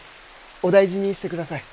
お大事にしてください